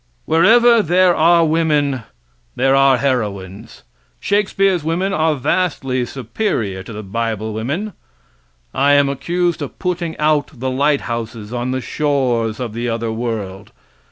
] Wherever there are women there are heroines. Shakespeare's women are vastly superior to the bible women. I am accused of putting out the light houses on the shores of the other world.